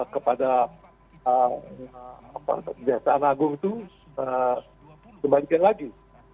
kepada kejaksaan agung itu kembalikan lagi